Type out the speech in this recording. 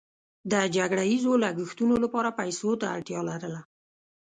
د جګړه ییزو لګښتونو لپاره پیسو ته اړتیا لرله.